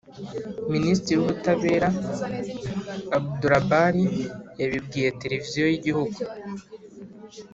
minisiti w’ubutabera abdulbari yabibwiye televiziyo y’igihugu.